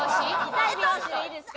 痛い美容師でいいですか？